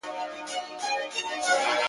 • زموږ څه ژوند واخله ـ